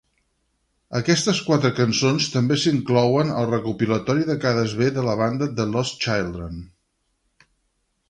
Aquestes quatre cançons també s'inclouen al recopilatori de cares b de la banda "The Lost Children".